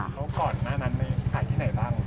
แล้วก่อนหน้านั้นหายที่ไหนบ้าง